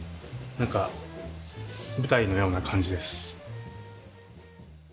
何か舞台のような感じです。